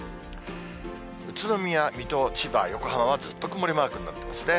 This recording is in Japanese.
宇都宮、水戸、千葉、横浜はずっと曇りマークになってますね。